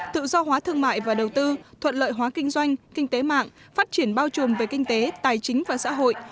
tự do hóa thương mại và đầu tư thuận lợi hóa kinh doanh kinh tế mạng phát triển bao trùm về kinh tế tài chính và xã hội